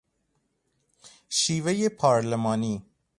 شیوهی پارلمانی